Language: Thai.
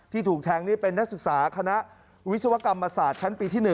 ถูกแทงนี่เป็นนักศึกษาคณะวิศวกรรมศาสตร์ชั้นปีที่๑